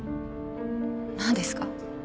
何ですか？